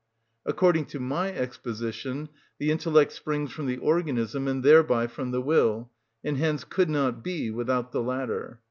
According to my exposition, the intellect springs from the organism, and thereby from the will, and hence could not be without the latter.